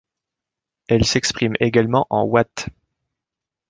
Elles s'expriment également en watts.